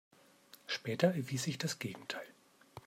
Später erwies sich das Gegenteil.